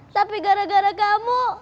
tapi gara gara kamu